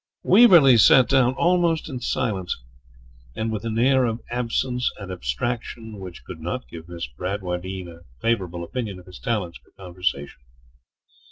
Waverley sat down almost in silence, and with an air of absence and abstraction which could not give Miss Bradwardine a favourable opinion of his talents for conversation.